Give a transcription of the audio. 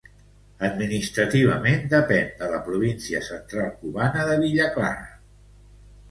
Administrativament depèn de la província central cubana de Villa Clara.